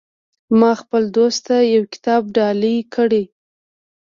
ما خپل دوست ته یو کتاب ډالۍ کړو